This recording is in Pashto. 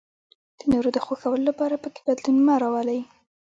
د نورو د خوښولو لپاره پکې بدلون مه راولئ.